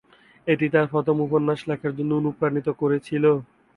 এটি তাকে তার প্রথম উপন্যাস লেখার জন্য অনুপ্রাণিত করেছিল।